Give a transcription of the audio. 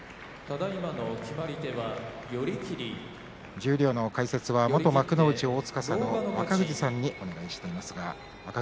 十両の解説は元幕内皇司の若藤さんにお願いしています。